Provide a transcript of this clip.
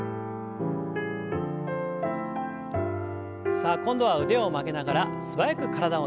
さあ今度は腕を曲げながら素早く体をねじります。